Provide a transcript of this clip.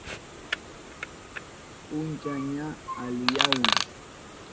Puncha ña aliyahun.